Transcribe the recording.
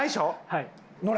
はい。